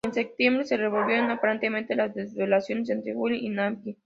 En septiembre, se resolvieron aparentemente las desavenencias entre Wuhan y Nankín.